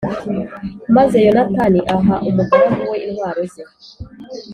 Maze Yonatani aha umugaragu we intwaro ze